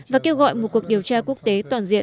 và kêu gọi một cuộc điều tra quốc tế toàn diện